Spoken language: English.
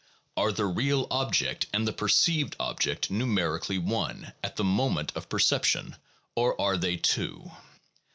Are the real object and the perceived object numerically one at the moment of perception, or are they two?